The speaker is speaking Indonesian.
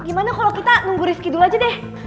ih gimana kalo kita nunggu rifki dulu aja deh